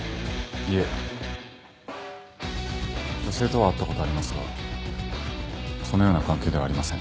女性とは会ったことありますがそのような関係ではありません。